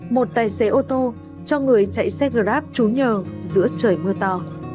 một tài xế ô tô cho người chạy xe grab trú nhờ giữa trời mưa to